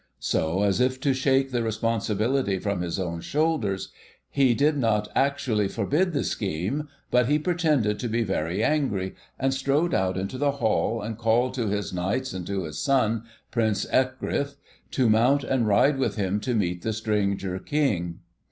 So, as if to shake the responsibility from his own shoulders, he did not actually forbid the scheme, but he pretended to be very angry, and strode out into the hall, and called to his knights and to his son, Prince Ecgfrith, to mount and ride with him to meet the stranger King.